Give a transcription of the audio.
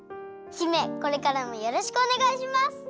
姫これからもよろしくおねがいします！